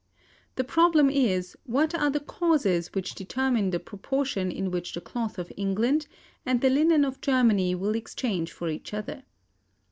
The problem is, what are the causes which determine the proportion in which the cloth of England and the linen of Germany will exchange for each other?